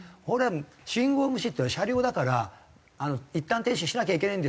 「信号無視っていうのは車両だからいったん停止しなきゃいけないんですよ」。